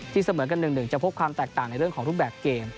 ที่เสมือนกันหนึ่งจะพบความแตกต่างในเรื่องของทุกแบบเกม